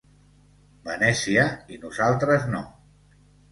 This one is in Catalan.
Venècia i nosaltres no.